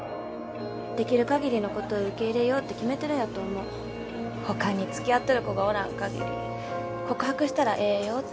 ・できる限りのこと受け入れようって決めてるんやと思う他につきあってる子がおらん限り告白したらええよって